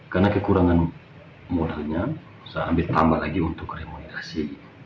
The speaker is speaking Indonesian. karena kekurangan modalnya saya ambil tambah lagi untuk remunerasi